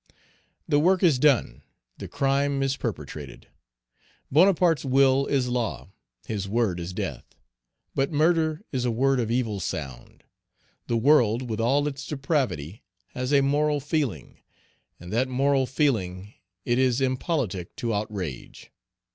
The work is done the crime is perpetrated. Bonaparte's will is law: his word is death. But murder is a word of evil sound. The world, with all its depravity, has a moral feeling, and that moral feeling it is impolitic to outrage.